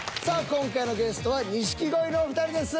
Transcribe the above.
今回のゲストは錦鯉のお二人です。